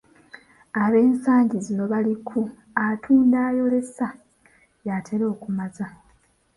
Ab'ensangi zino bali ku, "Atunda ayolesa yatera okumaza".